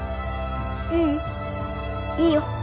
ううん。いいよ。